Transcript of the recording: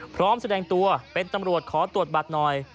พร้อมแสดงตัวเป็นตำรวจขอตรวจบัตรหน่อย